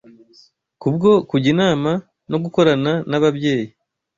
Kubwo kujya inama no gukorana n’ababyeyi